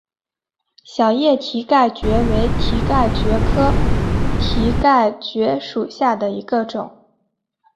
小叶蹄盖蕨为蹄盖蕨科蹄盖蕨属下的一个种。